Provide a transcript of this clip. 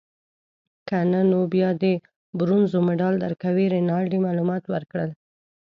که نه نو بیا د برونزو مډال درکوي. رینالډي معلومات ورکړل.